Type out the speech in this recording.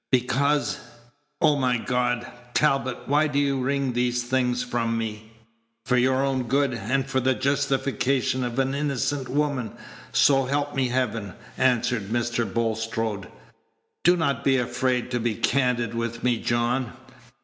"Because O my God! Talbot, why do you wring these things from me?" "For your own good, and for the justification of an innocent woman, so help me Heaven!" answered Mr. Bulstrode. "Do not be afraid to be candid with me, John.